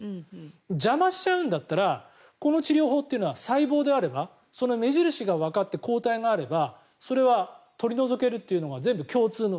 邪魔しちゃうんだったらこの治療法というのは細胞であれば目印がわかって抗体があればそれは取り除けるというのが共通の